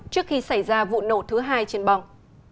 trước khi xảy ra vụ nổ thứ hai trên bòng